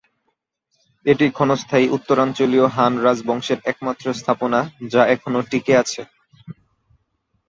এটি ক্ষণস্থায়ী উত্তরাঞ্চলীয় হান রাজবংশের একমাত্র স্থাপনা যা এখনও টিকে আছে।